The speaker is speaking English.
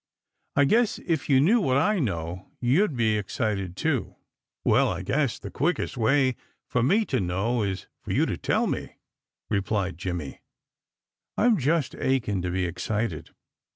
"I guess if you knew what I know, you'd be excited too." "Well, I guess the quickest way for me to know is for you to tell me," replied Jimmy. "I'm just aching to be excited."